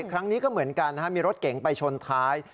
ครั้งนี้ก็เหมือนกันมีรถเก๋งไปชนท้าย